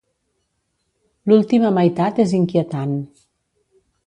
L'última meitat és inquietant.